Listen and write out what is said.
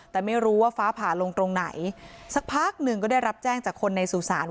แต่ไม่รู้ว่าฟ้าผ่าลงตรงไหนสักพักหนึ่งก็ได้รับแจ้งจากคนในสุสาน